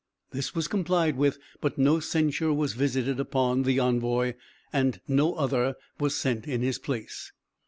This was complied with, but no censure was visited upon the envoy, and no other was sent in his place.